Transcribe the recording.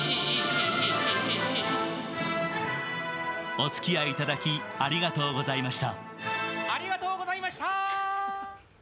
お付き合いいただき、ありがとうございました。